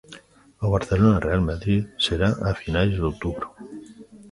O Barcelona Real Madrid será a finais de outubro.